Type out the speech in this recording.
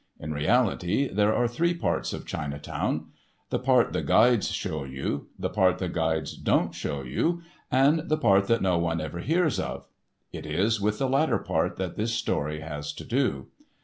In reality there are three parts of Chinatown—the part the guides show you, the part the guides don't show you, and the part that no one ever hears of. It is with the latter part that this story has to do.